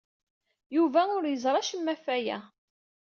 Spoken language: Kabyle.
Yuba ur yeẓri acemma ɣef waya.